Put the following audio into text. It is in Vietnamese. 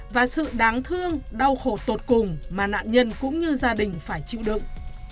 và sự đáng thương đau khổ tột cùng mà nạn nhân cũng như gia đình phải chịu đựng